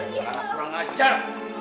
sekarang kurang ajar